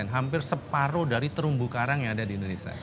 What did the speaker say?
hampir separuh dari terumbu karang yang ada di indonesia